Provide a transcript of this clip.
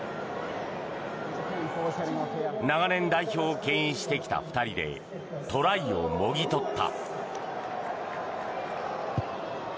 長年代表をけん引してきた２人でトライをもぎ取った。